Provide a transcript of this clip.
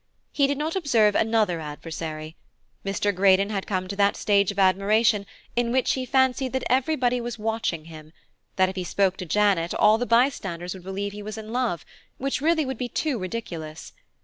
He did not observe another adversary: Mr. Greydon had come to that stage of admiration in which he fancied that everybody was watching him, that if he spoke to Janet all the bystanders would believe he was in love, which really would be too ridiculous.